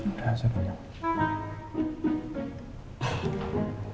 udah saya kenyang